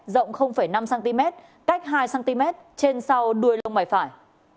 rộng năm cm cách hai cm trên sau đuôi lông mày phải